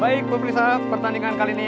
baik pemirsa pertandingan kali ini